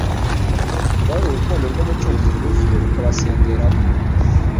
rwari urukundo rw'umucunguzi rwuzuye rukabasenderaho,